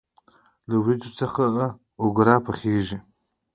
له وریجو څخه اوگره پخیږي.